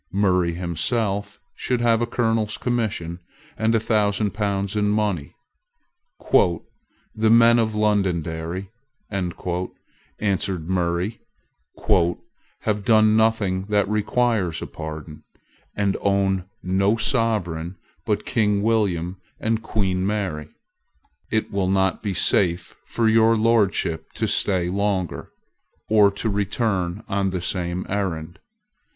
Murray himself should have a colonel's commission, and a thousand pounds in money. "The men of Londonderry," answered Murray, "have done nothing that requires a pardon, and own no Sovereign but King William and Queen Mary. It will not be safe for your Lordship to stay longer, or to return on the same errand.